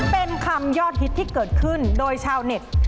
เป็นคำยอดฮิตที่เกิดขึ้นโดยชาวเน็ต